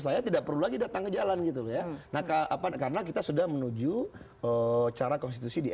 saya tidak perlu lagi datang ke jalan gitu ya nah karena kita sudah menuju cara konstitusi di